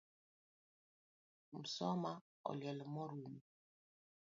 Musoma oliel morumo